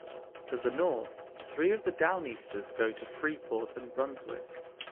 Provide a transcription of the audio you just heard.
To the north, three of the Downeasters go to Freeport and Brunswick.